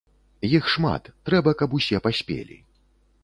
Іх шмат, трэба каб усе паспелі.